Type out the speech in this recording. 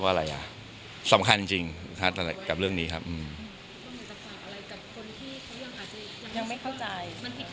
มันผิดกฎหมายจริงในการว่าผิดกฎหมาย